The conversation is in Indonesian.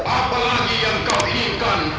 apalagi yang kau inginkan